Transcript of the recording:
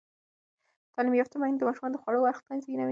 تعلیم یافته میندې د ماشومانو د خوړو وخت منظموي.